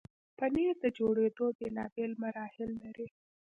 پنېر د جوړېدو بیلابیل مراحل لري.